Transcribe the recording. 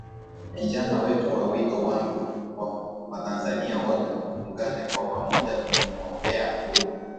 kijana wetu na wito wangu kwa Watanzania wote tuungane kwa pamoja kumuombea ndugu